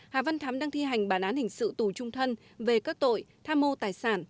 hà văn thắm đang thi hành bản án hình sự tù trung thân về các tội tham mô tài sản